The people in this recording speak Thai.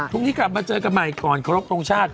พรุ่งนี้กลับมาเจอกันใหม่ก่อนขอรบทรงชาติ